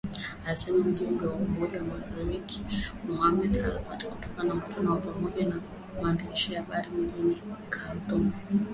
alisema mjumbe wa Umoja wa Afrika, Mohamed Lebatt katika mkutano wa pamoja na waandishi wa habari mjini Khartoum